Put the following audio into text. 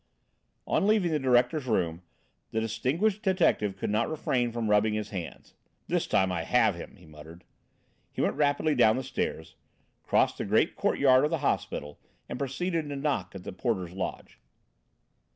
On leaving the director's room, the distinguished detective could not refrain from rubbing his hands. "This time I have him!" he muttered. He went rapidly down the stairs, crossed the great courtyard of the hospital, and proceeded to knock at the porter's lodge.